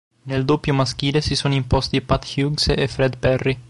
Nel doppio maschile si sono imposti Pat Hughes e Fred Perry.